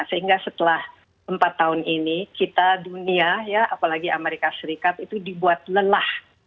sehingga setelah empat tahun ini kita dunia ya apalagi amerika serikat itu dibuat lelah